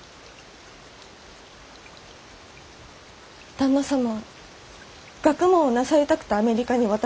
旦那様は学問をなさりたくてアメリカに渡られた。